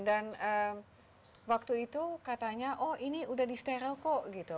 dan waktu itu katanya oh ini udah di steril kok gitu